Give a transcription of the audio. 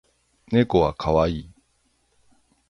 猫は可愛い